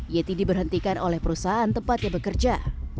yeti diberhentikan oleh perusahaan tempatnya bekerja